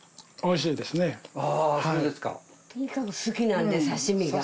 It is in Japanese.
とにかく好きなんで刺身が。